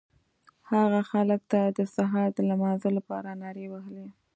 هغه خلکو ته د سهار د لمانځه لپاره نارې وهلې.